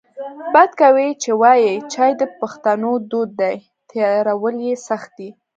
بد کوي چې وایې چای د پښتنو دود دی تیارول یې سخت دی